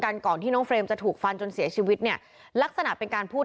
ก่อนที่น้องเฟรมจะถูกฟันจนเสียชีวิตเนี่ยลักษณะเป็นการพูด